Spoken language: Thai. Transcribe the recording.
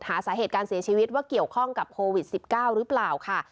หาสาเหตุการเสียชีวิตว่าเกี่ยวข้องกับโควิด๑๙หรือเปล่าค่ะ